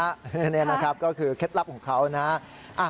กรอบแล้วฮะนี่แหละครับก็คือเคล็ดลับของเขานะฮะ